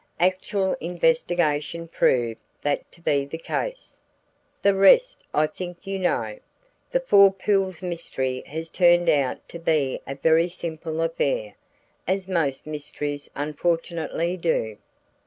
Actual investigation proved that to be the case. The rest, I think, you know. The Four Pools mystery has turned out to be a very simple affair as most mysteries unfortunately do."